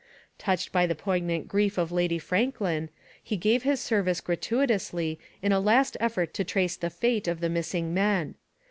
Touched by the poignant grief of Lady Franklin, he gave his service gratuitously in a last effort to trace the fate of the missing men.